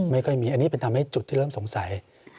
ไม่ค่อยมีอันนี้เป็นทำให้จุดที่เริ่มสงสัย